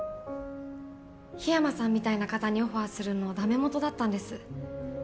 緋山さんみたいな方にオファーするのはダメもとだったんです。